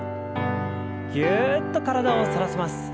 ぎゅっと体を反らせます。